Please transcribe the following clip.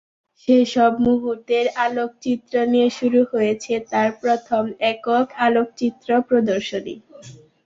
সেসব মুহূর্তের আলোকচিত্র নিয়ে শুরু হয়েছে তাঁর প্রথম একক আলোকচিত্র প্রদর্শনী।